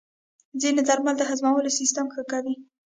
ځینې درمل د هضمولو سیستم ښه کوي.